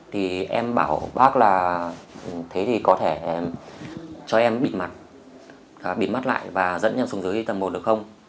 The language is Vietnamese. thì em bảo bác là thế thì có thể cho em bịt mặt bịt mắt lại và dẫn em xuống dưới tầng một được không